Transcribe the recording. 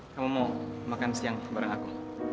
kamu mau makan siang kepada aku